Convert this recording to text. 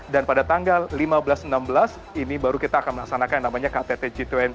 dan pada tanggal lima belas enam belas ini baru kita akan melaksanakan yang namanya ktt g dua puluh